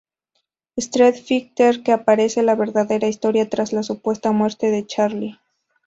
Street Fighter" que aparece la verdadera historia tras la supuesta muerte de Charlie.